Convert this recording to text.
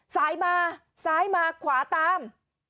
ซ้ายมาซ้ายมาขวาตาม